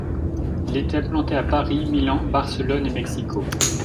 Il est implanté à Paris, Milan, Barcelone et Mexico.